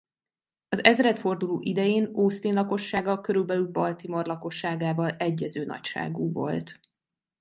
Az ezredforduló idején Austin lakossága körülbelül Baltimore lakosságával egyező nagyságú volt.